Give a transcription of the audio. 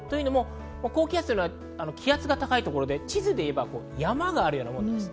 高気圧というのは気圧が高いところで地図で言えば山があるようなところです。